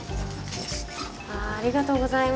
ありがとうございます。